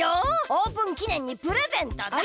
オープンきねんにプレゼントだ！